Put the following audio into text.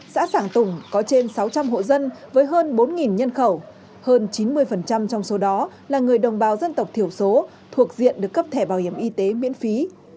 xã sảng tùng có trên sáu trăm linh hộ dân với hơn bốn nhân khẩu hơn chín mươi trong số đó là người đồng bào dân tộc thiểu số thuộc diện được cấp thẻ bảo hiểm y tế miễn phí